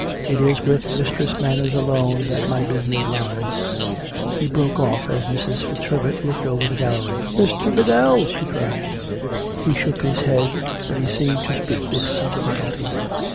It is with Mistress Manners alone that my busi ness lies." He broke off, as Mrs. FitzHerbert looked over the gal lery. "Mr. Biddell!" she cried. He shook his head, but he seemed to speak with some difficulty.